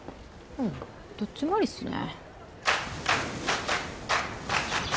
ううんどっちもありっすね